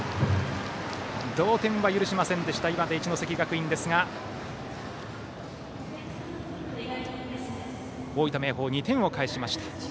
同点は許しませんでした岩手・一関学院ですが大分・明豊、２点を返しました。